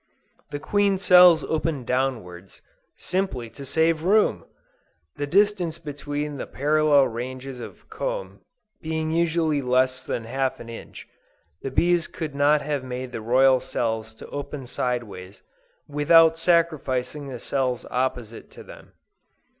The queen cells open downwards, simply to save room! The distance between the parallel ranges of comb being usually less than half an inch, the bees could not have made the royal cells to open sideways, without sacrificing the cells opposite to them.